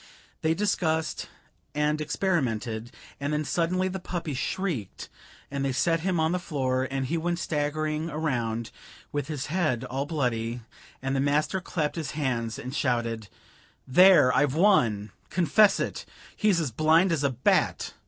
They discussed and experimented, and then suddenly the puppy shrieked, and they set him on the floor, and he went staggering around, with his head all bloody, and the master clapped his hands and shouted: "There, I've won confess it! He's as blind as a bat!"